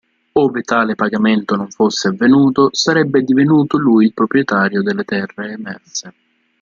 Ove tale pagamento non fosse avvenuto, sarebbe divenuto lui il proprietario delle terre emerse.